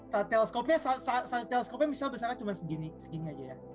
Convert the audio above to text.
satu teleskopnya satu teleskopnya misalnya besar cuma segini segini aja ya